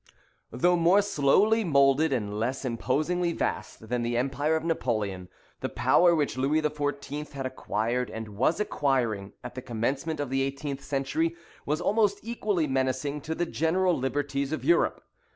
Though more slowly moulded and less imposingly vast than the empire of Napoleon, the power which Louis XIV. had acquired and was acquiring at the commencement of the eighteenth century, was almost equally menacing to the general liberties of Europe.